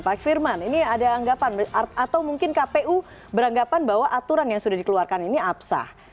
pak firman ini ada anggapan atau mungkin kpu beranggapan bahwa aturan yang sudah dikeluarkan ini apsah